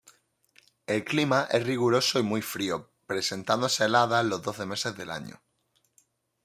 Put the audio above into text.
El clima es riguroso y muy frío, presentándose heladas los doce meses del año.